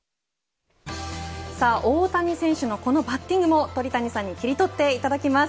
さあ大谷選手のこのバッティングも鳥谷さんに切り取っていただきます。